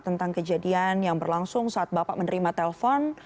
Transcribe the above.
tentang kejadian yang berlangsung saat bapak menerima telpon